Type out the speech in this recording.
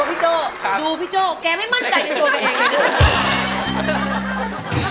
แล้วมันต่อ